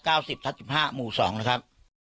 สิบทับสิบห้าหมู่สองนะครับ